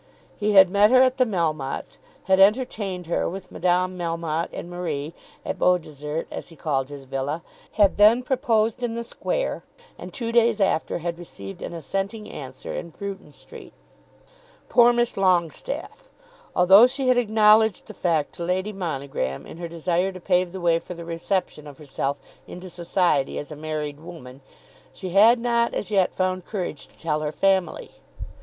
He had met her at the Melmottes', had entertained her, with Madame Melmotte and Marie, at Beaudesert, as he called his villa, had then proposed in the square, and two days after had received an assenting answer in Bruton Street. Poor Miss Longestaffe! Although she had acknowledged the fact to Lady Monogram in her desire to pave the way for the reception of herself into society as a married woman, she had not as yet found courage to tell her family.